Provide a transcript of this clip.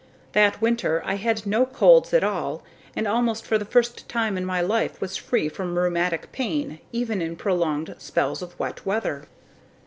That winter I had no colds at all and almost for the first time in my life was free from rheumatic pains even in prolonged spells of wet weather."